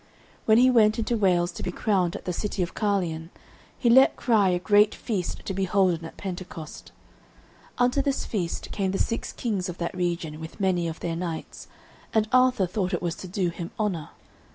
When he went into Wales to be crowned at the city of Carlion, he let cry a great feast to be holden at Pentecost. Unto this feast came the six kings of that region with many of their knights, and Arthur thought it was to do him honour.